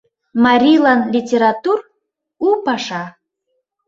Марийлан литератур — у паша.